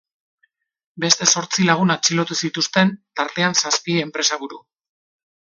Beste zortzi lagun atxilotu zituzten, tartean zazpi enpresaburu.